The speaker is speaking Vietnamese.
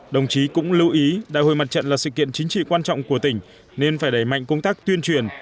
đồng chí cũng lưu ý đại hội mặt trận là sự kiện chính trị quan trọng của tỉnh nên phải đẩy mạnh công tác tuyên truyền